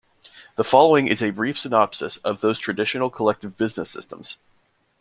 The following is a brief synopsis of those traditional collective business systems.